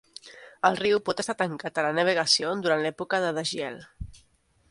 El riu pot estar tancat a la navegació durant l'època de desgel.